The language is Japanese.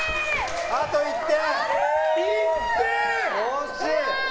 あと１点！